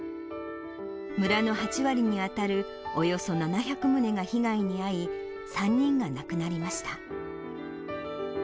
村の８割に当たるおよそ７００棟が被害に遭い、３人が亡くなりました。